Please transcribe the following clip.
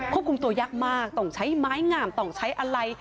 คุมตัวยากมากต้องใช้ไม้งามต้องใช้อะไร